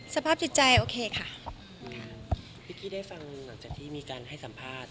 สภาพจิตใจโอเคค่ะพิกกี้ได้ฟังหลังจากที่มีการให้สัมภาษณ์